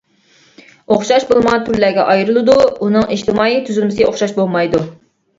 ئوخشاش بولمىغان تۈرلەرگە ئايرىلىدۇ، ئۇنىڭ ئىجتىمائىي تۈزۈلمىسى ئوخشاش بولمايدۇ.